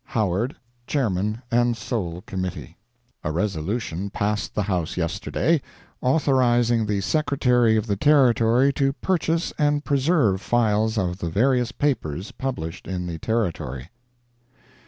HOWARD, Chairman and Sole Committee A resolution passed the House yesterday, authorizing the Secretary of the Territory to purchase and preserve files of the various papers published in the Territory.